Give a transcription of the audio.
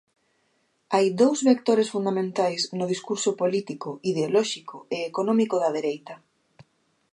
Hai dous vectores fundamentais no discurso político, ideolóxico e económico da dereita.